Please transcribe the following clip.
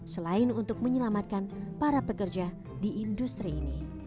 selain untuk menyelamatkan para pekerja di industri ini